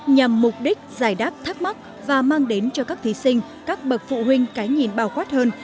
nhằm mục đích giải đáp thắc mắc và mang đến cho các thí sinh các bậc phụ huynh cái nhìn bao quát hơn